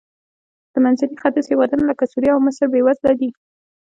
د منځني ختیځ هېوادونه لکه سوریه او مصر بېوزله دي.